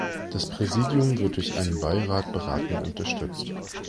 Das Präsidium wird durch einen Beirat beratend unterstützt.